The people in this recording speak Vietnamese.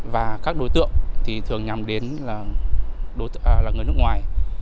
và các đối tượng thì thường nhằm đến là người nước ngoài